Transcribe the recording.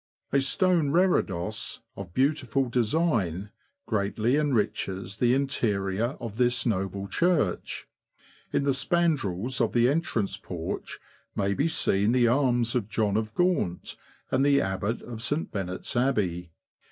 A stone reredos, of beautiful design, greatly enriches the interior of this noble church. In the spandrels of the entrance porch may be seen the arms of John of Gaunt, and the Abbot of St. Benet's Abbey.